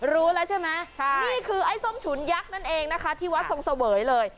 รู้แล้วใช่ไหมนี่คือไอ้ส้มฉุนยักษ์นั่นเองนะคะที่วัดทรงเสวยเลย